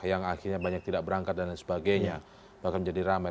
yang akhirnya banyak tidak berangkat dan sebagainya bahkan menjadi ramai